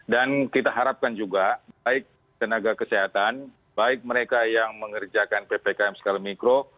dan kita harapkan juga baik tenaga kesehatan baik mereka yang mengerjakan ppkm skala mikro